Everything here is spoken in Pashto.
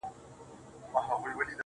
د کلې خلگ به دي څه ډول احسان ادا کړې,